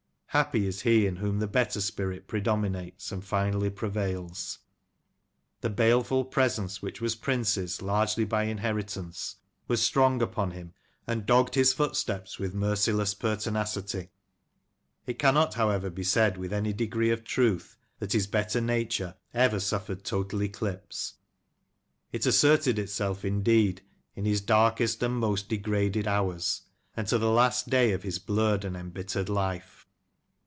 Happy is he in whom the better spirit predominates and finally prevails. The baleful presence, which was Prince's largely by inheritance, was strong upon John Critchley Prince. 15 him, and dogged his footsteps with merciless pertinacity. It cannot, however, be said with any degree of truth that his better nature ever suffered total eclipse. It asserted itself, indeed, in his darkest and most degraded hours, and to the last day of his blurred and embittered life.